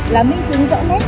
là minh chứng rõ nét